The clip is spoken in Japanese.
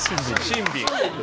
シンビン。